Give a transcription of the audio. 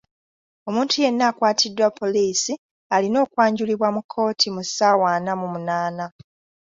Omuntu yenna akwatiddwa poliisi alina okwanjulibwa mu kkooti mu ssaawa ana mu munaana.